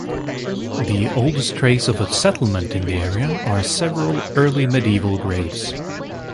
The oldest trace of a settlement in the area are several early medieval graves.